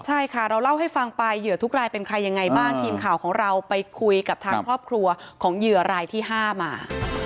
ใช่ค่ะเราเล่าให้ฟังไปเหยื่อทุกรายเป็นใครยังไงบ้างทีมข่าวของเราไปคุยกับทางครอบครัวของเหยื่อรายที่๕มา